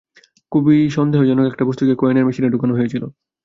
খুবই সন্দেহজনক একটা বস্তুকে কয়েনের মেশিনে ঢোকানো হয়েছিল।